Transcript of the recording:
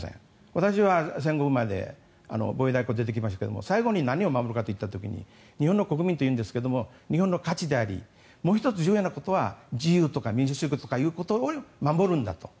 私は戦後生まれで防衛大学校出てきましたが最後に何を守るかといった時に日本の国民というんですが日本の価値でありもう１つ重要なことは自由とか民主主義ということを守るんだと。